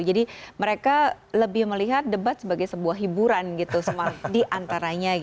jadi mereka lebih melihat debat sebagai sebuah hiburan diantaranya